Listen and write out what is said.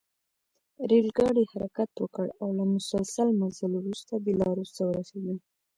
ریل ګاډي حرکت وکړ او له مسلسل مزل وروسته بیلاروس ته ورسېدل